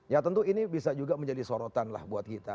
ya tentu ini bisa juga menjadi sorotan lah buat kita